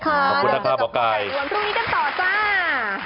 ขอบคุณครับหมอไก่แล้วเราจะพูดกับหมอไก่อ่วมพรุ่งนี้กันต่อจ้า